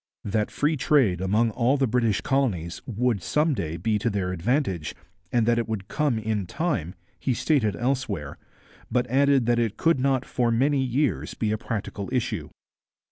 That free trade among all the British communities would some day be to their advantage, and that it would come in time, he stated elsewhere, but added that it could not for many years be a practical issue.